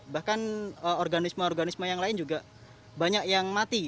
bahkan organisme organisme yang lain juga banyak yang mati